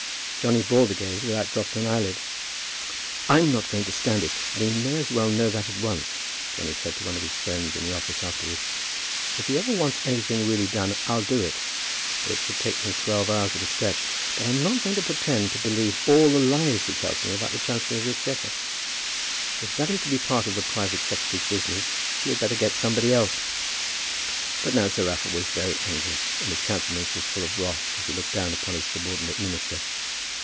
Johnny bore the gaze without dropping an eyelid. "I'm not going to stand it, and he may as well know that at once," Johnny said to one of his friends in the office afterwards. "If he ever wants any thing really done, I'll do it; though it should take me twelve hours at a stretch. But I'm not going to pretend to believe all the lies he tells me about the Chancellor of the Exchequer. If that is to be part of the private secretary's business, he had better get somebody else." But now Sir Raffle was very angry, and his countenance was full of wrath as he looked down upon his subordinate minister.